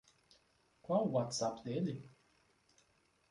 Qual o WhatsApp dele?